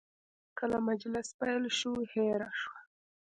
کله مجلس پیل شو، هیره شوه.